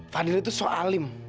fadil itu sok alim